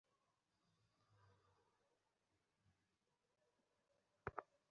ঠিক আছে, লোকেশন পাঠাও।